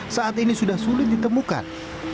saat ini sudah sulit ditemukan